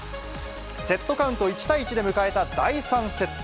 セットカウント１対１で迎えた第３セット。